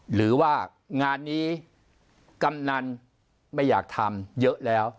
หรือว่างานนี้กำนันไม่อยากทำเยอะแล้ว